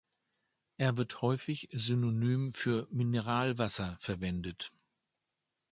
Er wird häufig synonym für Mineralwasser verwendet.